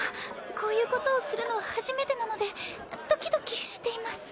こういうことをするのは初めてなのでドキドキしています。